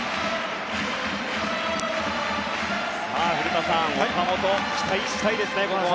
古田さん、岡本期待したいですね、ここは。